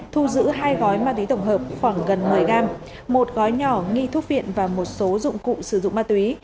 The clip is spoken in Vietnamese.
thu giữ hai gói ma túy tổng hợp khoảng gần một mươi gram một gói nhỏ nghi thuốc viện và một số dụng cụ sử dụng ma túy